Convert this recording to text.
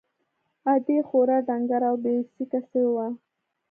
ادې خورا ډنگره او بې سېکه سوې وه.